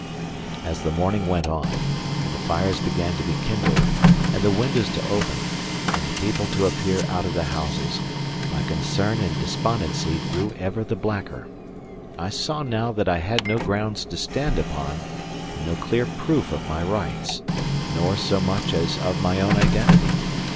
As the morning went on, and the fires began to be kindled, and the windows to open, and the people to appear out of the houses, my concern and despondency grew ever the blacker. I saw now that I had no grounds to stand upon; and no clear proof of my rights, nor so much as of my own identity.